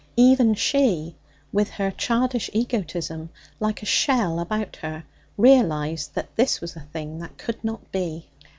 Even she, with her childish egotism like a shell about her, realized that this was a thing that could not be.